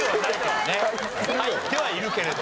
入ってはいるけれど。